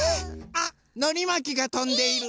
あっのりまきがとんでいる！